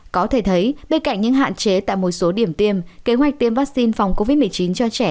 có thể thấy bên cạnh những hạn chế tại một số điểm tiêm kế hoạch tiêm vaccine phòng covid một mươi chín cho trẻ